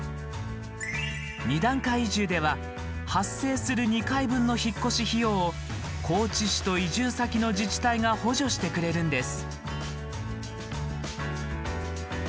二段階移住では発生する２回分の引っ越し費用を高知市と移住先の自治体が補助してくれるんです。